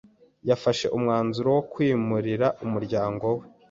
yafashe umwanzuro wo kwimurira umuryango we